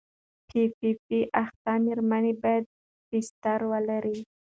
پي پي پي اخته مېرمنې باید بستر ولري.